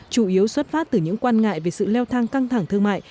chủ yếu xuất phát từ những quan ngại về sự leo thang căng thẳng thương mại